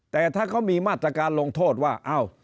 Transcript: แต่ถ้าเขามีมาตรการลงโทษว่า